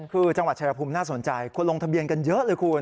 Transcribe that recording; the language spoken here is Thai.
คือจังหวัดชายภูมิน่าสนใจคนลงทะเบียนกันเยอะเลยคุณ